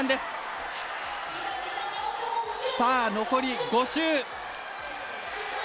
残り５周。